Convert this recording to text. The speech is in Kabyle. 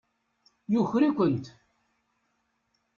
Yuker-ikent.